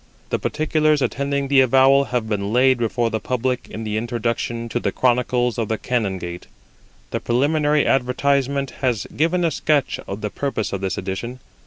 The particulars attending the avowal have been laid before the public in the Introduction to the Chronicles of the Canongate. The preliminary advertisement has given a sketch of the purpose of this edition.